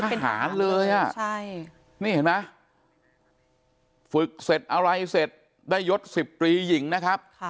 เป็นหารเลยอ่ะใช่นี่เห็นไหมฝึกเสร็จอะไรเสร็จได้ยศ๑๐ตรีหญิงนะครับ